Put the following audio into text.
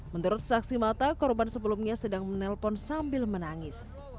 menurut saksi mata korban sebelumnya sedang menelpon sambil menangis